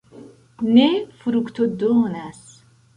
ne fruktodonas.